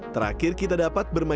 terakhir kita dapat menikmati